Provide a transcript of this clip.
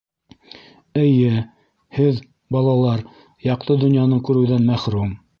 — Эйе, һеҙ, балалар, яҡты донъяны күреүҙән мәхрүм.